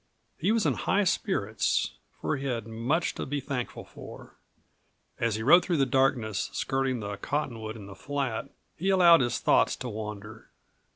He was in high spirits, for he had much to be thankful for. As he rode through the darkness, skirting the cottonwood in the flat, he allowed his thoughts to wander.